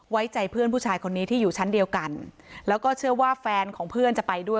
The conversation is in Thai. ไว้ใจเพื่อนผู้ชายคนนี้ที่อยู่ชั้นเดียวกันแล้วก็เชื่อว่าแฟนของเพื่อนจะไปด้วย